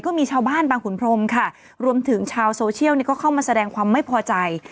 ก็มีชาวบ้านบางขุนพรมค่ะรวมถึงชาวโซเชียลก็เข้ามาแสดงความไม่พอใจ